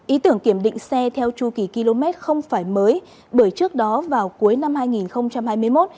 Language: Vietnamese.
ý tưởng kiểm định xe theo chu kỳ km không phải mới bởi trước đó vào cuối năm hai nghìn hai mươi một